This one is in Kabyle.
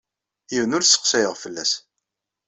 Yiwen ur sseqsayeɣ fell-as.